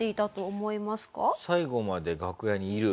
最後まで楽屋にいる。